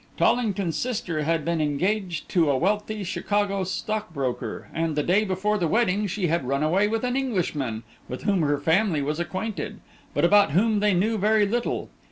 Tollington's sister had been engaged to a wealthy Chicago stockbroker, and the day before the wedding she had run away with an Englishman, with whom her family was acquainted, but about whom they knew very little.